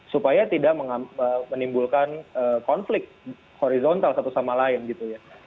supaya tidak menimbulkan konflik horizontal satu sama lain gitu ya